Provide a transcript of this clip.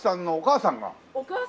お母さんが。